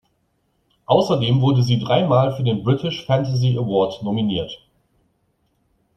Außerdem wurde sie drei Mal für den British Fantasy Award nominiert.